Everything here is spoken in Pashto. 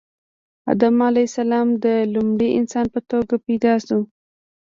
آدم علیه السلام د لومړي انسان په توګه پیدا شو